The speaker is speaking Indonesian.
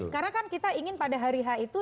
karena kan kita ingin pada hari h itu